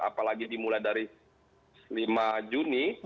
apalagi dimulai dari lima juni